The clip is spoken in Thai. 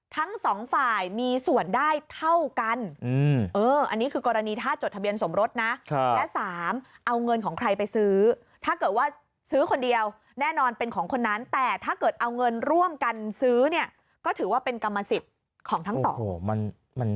ทั้งสองฝ่ายมีส่วนได้เท่ากันอันนี้คือกรณีถ้าจดทะเบียนสมรสนะและ๓เอาเงินของใครไปซื้อถ้าเกิดว่าซื้อคนเดียวแน่นอนเป็นของคนนั้นแต่ถ้าเกิดเอาเงินร่วมกันซื้อเนี่ยก็ถือว่าเป็นกรรมสิทธิ์ของทั้งสอง